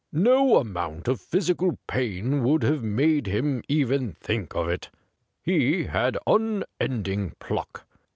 No amount of physical pain would have made him even think of it. He had un ending pluck.